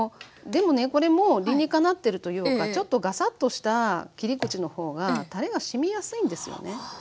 でもねこれも理にかなってるというかちょっとがさっとした切り口の方がたれがしみやすいんですよね